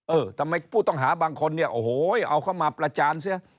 เออทำไมผู้ต้องหาบางคนเนี่ยโอ้โหเอาเข้ามาประจานเสีย